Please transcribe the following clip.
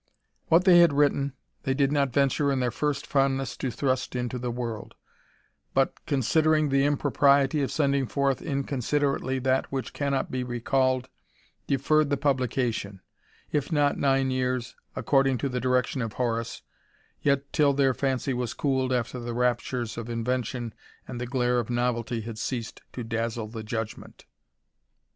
What they had written, they did not venture in their first fondness to thrust into the world, but, considering the impropriety of sending forth inconsiderately that which cannot be recalled, deferred the publication, if not nine years, according to the direction of Horace, yet till their fancy was cooled after the raptures of invention and the glare of novelty had ceased to dazzle the judgment.